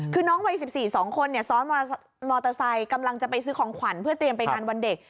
คือน้องวัย๑๔๒คนซ้อนมอเตอร์ไซค์กำลังจะไปซื้อของขวัญเพื่อเตรียมไปงานวันเด็ก